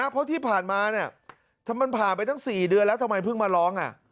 เพราะที่ผ่านมาทำไมมันผ่านไปตั้ง๔เดือนแล้วทำไมเพิ่งมาร้อง